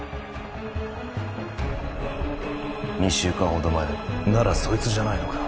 ２週間ほど前だならそいつじゃないのか？